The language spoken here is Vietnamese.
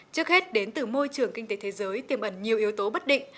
trước hết đến từ môi trường kinh tế thế giới tiềm ẩn nhiều yếu tố bất định